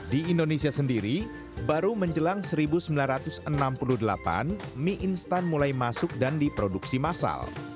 di indonesia sendiri baru menjelang seribu sembilan ratus enam puluh delapan mie instan mulai masuk dan diproduksi massal